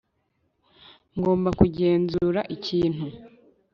ngomba kugenzura ikintu